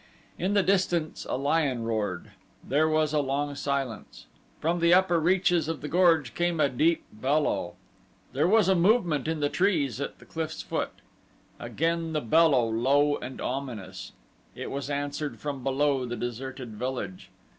In the distance a lion roared. There was a long silence. From the upper reaches of the gorge came a deep bellow. There was a movement in the trees at the cliff's foot. Again the bellow, low and ominous. It was answered from below the deserted village.